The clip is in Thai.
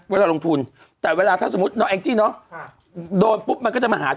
เวลาลงทุนแต่เวลาถ้าสมมุติเนาะแองจี้เนอะโดนปุ๊บมันก็จะมาหา